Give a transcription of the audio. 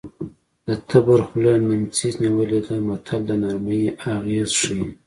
د تبر خوله نیمڅي نیولې ده متل د نرمۍ اغېز ښيي